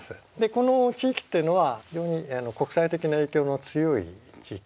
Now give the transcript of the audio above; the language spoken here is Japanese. この地域っていうのは非常に国際的な影響の強い地域なんですね。